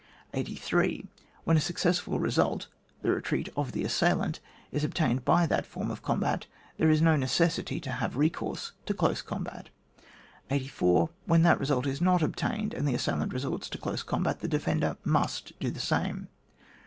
88. When a successfiJ result (the re treat of the assailant) is obtained by that form of combat, there is no necessity to have recourse to close combat. 84. When that residt is not obtained, and the assailant resorts to dose combat, the defender must do the same.